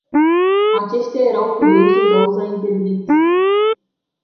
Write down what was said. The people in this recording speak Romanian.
Aceștia erau furioși din cauza interdicției.